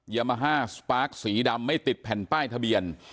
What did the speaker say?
ยามาฮ่าสปาร์คสีดำไม่ติดแผ่นป้ายทะเบียน